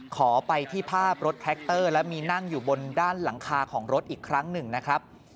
ขอไปที่ภาพรถแท็กเตอร์และมีนั่งอยู่บนด้านหลังคาของรถอีกครั้งหนึ่งนะครับ